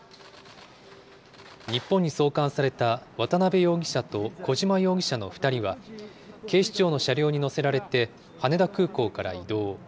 日本に送還された渡邉容疑者と小島容疑者の２人は、警視庁の車両に乗せられて、羽田空港から移動。